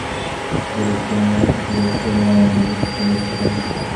زه به ستا د غږ انګازې په خپل یاد کې لرم.